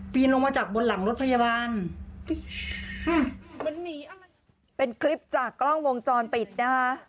ลงมาจากบนหลังรถพยาบาลเป็นคลิปจากกล้องวงจรปิดนะคะ